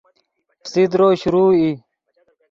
فسیدرو شروع ای